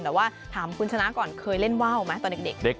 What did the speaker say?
แต่ว่าถามคุณชนะก่อนเคยเล่นว่าวไหมตอนเด็ก